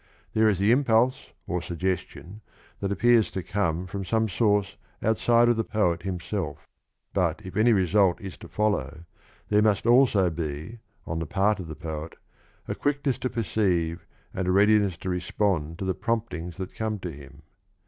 There is the impulse or suggestion that appears to come from some source outside of the poet himself, but, if any result is to follow, there must also be, on the part of the poet, a quickness to perceive and a readiness to respond to the promptings that come to him.